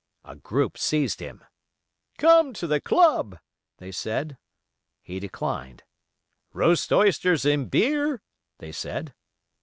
A group seized him. "Come to the club," they said. He declined. "Roast oysters and beer," they said.